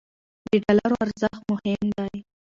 د ډالرو ارزښت مهم دی.